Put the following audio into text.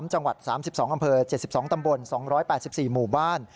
๓จังหวัด๓๒อำเภอ๗๒ตำบล๒๘๔หมู่บ้าน